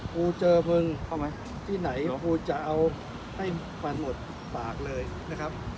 กูเจอมึงต้องไหมที่ไหนกูจะเอาให้มีควรหมดปากเลยนะครับ